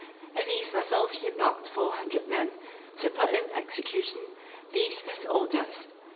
In these vessels he embarked four hundred men, to put in execution these his orders.